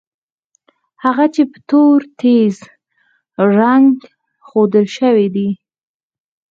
هغه چې په تور تېز رنګ ښودل شوي دي.